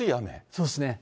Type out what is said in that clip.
そうですね。